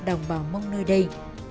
đồng bào mong nơi đây